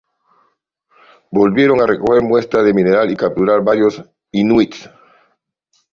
Volvieron a recoger muestras de mineral y a capturar varios inuits.